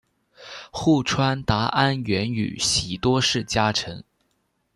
户川达安原宇喜多氏家臣。